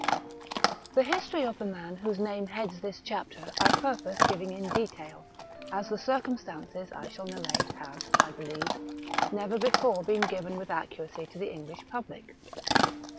The history of the man whose name heads this chapter I purpose giving in detail, as the circumstances I shall narrate have, I believe, never before been given with accuracy to the English public.